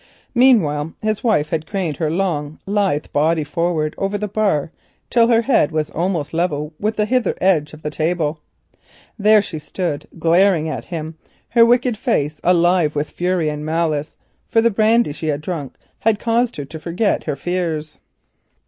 Meanwhile his wife had craned her long lithe body forward over the bar till her head was almost level with the hither edge of the table. There she stood glaring at him, her wicked face alive with fury and malice, for the brandy she had drunk had caused her to forget her fears.